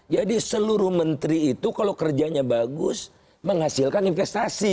jadi seluruh menteri itu kalau kerjanya bagus menghasilkan investasi